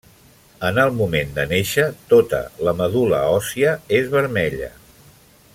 En el moment de néixer, tota la medul·la òssia és vermella.